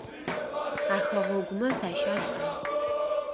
А хэгъэгумэ тащашӏа?